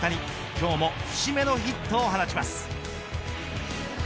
今日も節目のヒットを放ちます。